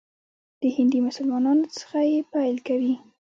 د هندي مسلمانانو څخه یې پیل کوي.